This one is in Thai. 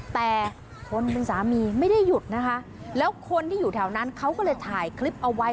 แต่คนเป็นสามีไม่ได้หยุดนะคะแล้วคนที่อยู่แถวนั้นเขาก็เลยถ่ายคลิปเอาไว้